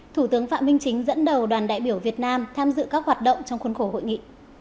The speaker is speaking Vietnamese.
thủ tướng phạm minh chính dẫn đầu đoàn đại biểu việt nam tham dự các hoạt động trong khuôn khổ hội nghị